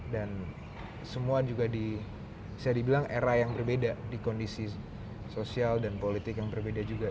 dan semua juga bisa dibilang era yang berbeda di kondisi sosial dan politik yang berbeda juga